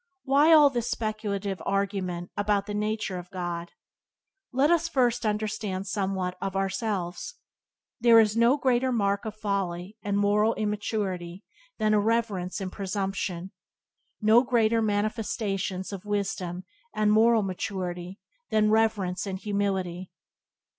Why all these speculative arguments about the nature of God? Let us first understand somewhat of ourselves. There are no greater marks of folly and moral immaturity than irreverence and presumption; no greater manifestations of wisdom and moral maturity than reverence and humility.